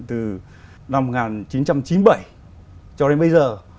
từ năm một nghìn chín trăm chín mươi bảy cho đến bây giờ